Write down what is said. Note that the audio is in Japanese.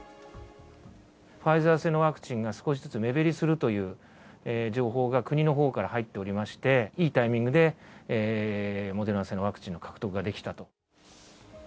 ファイザー製のワクチンが少しずつ目減りするという情報が国のほうから入っておりまして、いいタイミングでモデルナ製のワクチンの獲得ができたと。